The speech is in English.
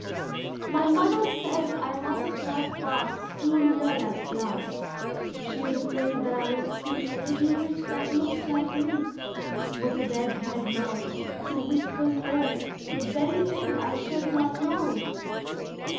" My mother says I must not pass Too near that glass; She is afraid that I will see A little witch that looks like me, With a red, red mouth, to whisper low The very thing I should not know